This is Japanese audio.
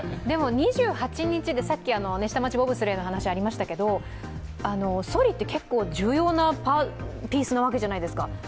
でも、２８日で、下町ボブスレーの話がありましたけれども、そりって結構重要なピースなわけじゃないですか。